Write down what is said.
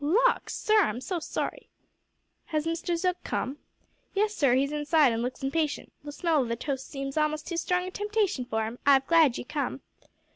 "Lawk! sir, I'm so sorry." "Has Mr Zook come?" "Yes, sir 'e's inside and looks impatient. The smell o' the toast seems a'most too strong a temptation for 'im; I'm glad you've come."